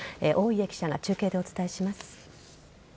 大家記者が中継でお伝えします。